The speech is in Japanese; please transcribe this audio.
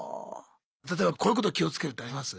例えばこういうこと気をつけるってあります？